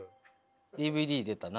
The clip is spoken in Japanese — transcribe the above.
ＤＶＤ出たな。